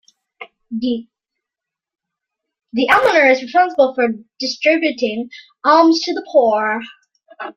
The almoner is responsible for distributing alms to the poor.